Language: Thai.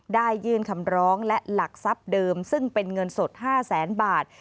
ยื่นคำร้องและหลักทรัพย์เดิมซึ่งเป็นเงินสด๕แสนบาท